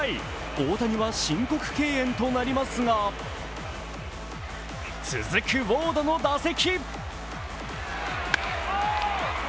大谷は申告敬遠となりますが、続くウォードの打席。